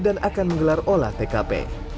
dan akan menggelar olah tkp